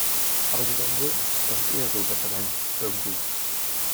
Aber Sie werden sehen, das ist eher so Referenz, irgendwie.